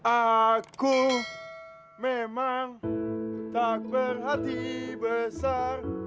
aku memang tak berhati besar